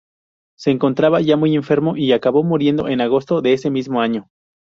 Se encontraba ya muy enfermo y acabó muriendo en Agosto de ese mismo año.